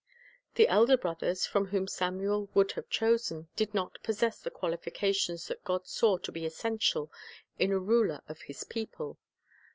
The elder brothers, from whom Samuel would have chosen, did not possess the qualifications that God saw to be essential in a ruler of His people.